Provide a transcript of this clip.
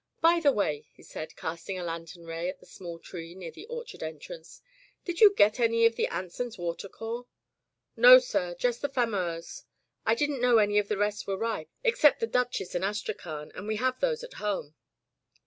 By the way/* he said, cast ing a lantern ray at a small tree near the orchard entrance: "Did you get any of the Anson's Water core?'* "No, sir; just the Fameuse. I didn't know any of the rest were ripe, except the Duchess and Astrakhan, and we have those at home."